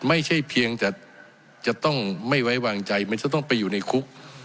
ไม่ใช่เพียงแต่จะต้องไม่ไว้วางใจมันจะต้องไปอยู่ในคุก